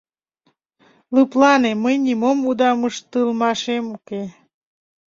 Лыплане, мый нимом удам ыштылмашем уке.